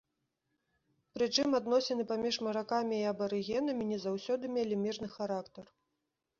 Прычым, адносіны паміж маракамі і абарыгенамі не заўсёды мелі мірны характар.